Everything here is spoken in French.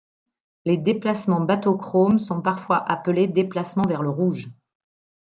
Les déplacements bathochromes sont parfois appelés déplacements vers le rouge.